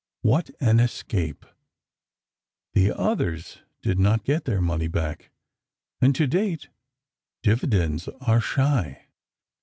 What an escape—the others did not get their money back, and to date, dividends are shy.